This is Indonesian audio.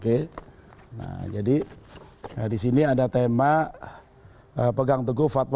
oke nah jadi di sini ada tema pegang teguh fatwa